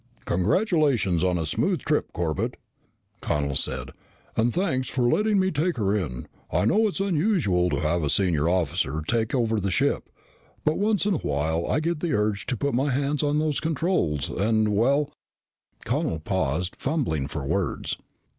"Congratulations on a smooth trip, Corbett," Connel said. "And thanks for letting me take her in. I know it's unusual to have the senior officer take over the ship, but once in a while I get the urge to put my hands on those controls and well " Connel paused, fumbling for words.